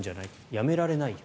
辞められないよ。